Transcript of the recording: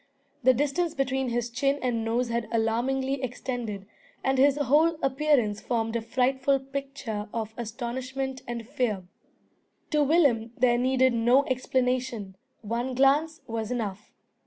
The distance between his chin and nose had alarmingly extended, and his whole appearance formed a frightful picture of astonishment and fear. To Willem there needed no explanation. One glance was enough.